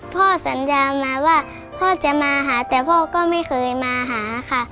พ่อสัญญามาว่าพ่อจะมาหาแต่พ่อก็ไม่เคยมาหาค่ะ